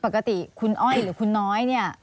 ปกติคุณอ้อยหรือคุณน้อยเนี่ย